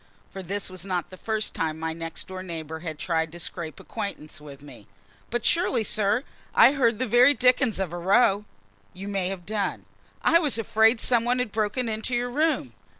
for this was not the first time my next door neighbor had tried to scrape acquaintance with me. "But surely, sir, I heard the very dickens of a row?" "You may have done." "I was afraid some one had broken into your room!"